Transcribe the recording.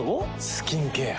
スキンケア。